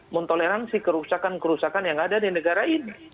mentoleransi kerusakan kerusakan yang ada di negara ini